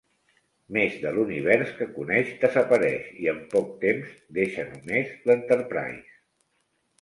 Més de l'univers que coneix desapareix i, en poc temps, deixa només l'"Enterprise".